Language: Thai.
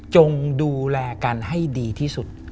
จงดูแลกันให้ดีที่สุด